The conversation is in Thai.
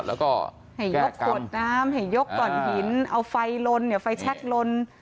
แล้วก็ให้ยกขวดน้ำให้ยกก่อนหินเอาไฟลนไฟแช็คลน